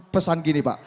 pesan gini pak